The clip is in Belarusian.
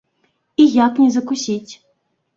І як не закусіць?